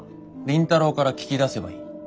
倫太郎から聞き出せばいい。